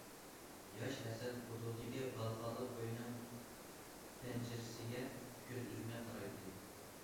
ياش ھەسەن ئۇدۇلىدىكى بالىخانىلىق ئۆينىڭ پەنجىرىسىگە كۆز ئۈزمەي قارايتتى.